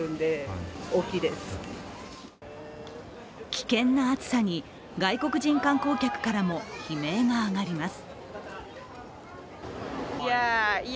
危険な暑さに外国人観光客からも悲鳴が上がります。